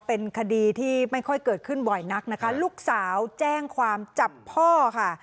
เป็นคดีที่ไม่ค่อยเกิดขึ้นบ่อยนักนะคะลูกสาวแจ้งความจับพ่อค่ะ